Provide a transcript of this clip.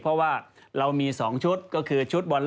เพราะว่าเรามีสองชุด